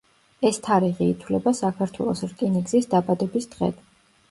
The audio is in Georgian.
ეს თარიღი ითვლება საქართველოს რკინიგზის „დაბადების დღედ“.